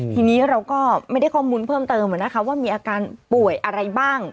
ทีนี้เราก็ไม่ได้ข้อมูลเพิ่มเติมว่ามีอาการป่วยอะไรบ้าง